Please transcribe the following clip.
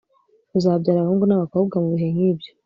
uzabyara abahungu n abakobwa mubihe nkibyo